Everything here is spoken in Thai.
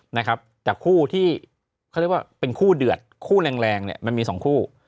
นะครับจากคู่ที่เขาเรียกว่าเป็นคู่เดือดคู่แรงแรงเนี่ยมันมีสองคู่